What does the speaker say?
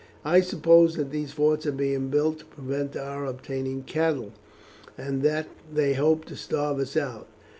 I suppose that these forts are being built to prevent our obtaining cattle, and that they hope to starve us out.